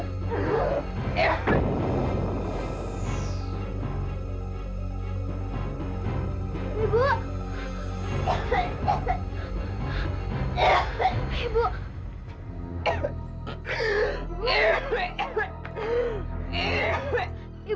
ayo jangan ngilangin uang bayaran sekolah itu bu